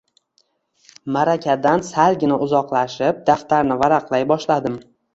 Maʼrakadan salgina uzoqlashib, daftarni varaqlay boshladim.